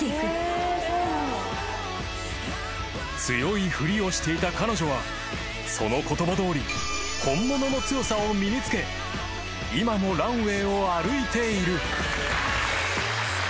［強いフリをしていた彼女はその言葉どおり本物の強さを身につけ今もランウェイを歩いている］